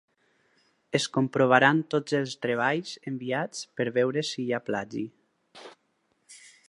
Es comprovaran tots els treballs enviats per veure si hi ha plagi.